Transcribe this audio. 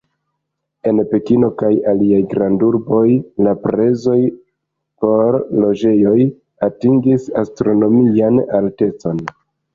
En Pekino kaj aliaj grandurboj la prezoj por loĝejoj atingis astronomian altecon.